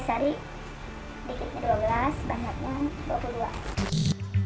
bikinnya dua belas banyaknya dua puluh dua